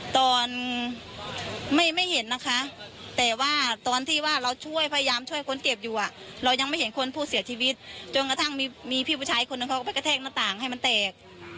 ตอนไม่เห็นนะคะแต่ว่าตอนที่ว่าเราช่วยพยายามช่วยคนเจ็บอยู่เรายังไม่เห็นคนผู้เสียชีวิตจนกระทั่งมีพี่ผู้ชายคนหนึ่งเขาก็ไปกระแทกหน้าต่างให้มันแตก